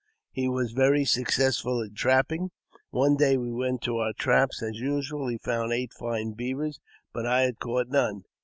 He was very successful in trapping. One day we went to our traps as usual; he found eight fine leavers, but I had caught none.